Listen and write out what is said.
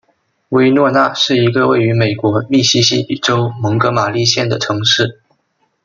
威诺纳是一个位于美国密西西比州蒙哥马利县的城市。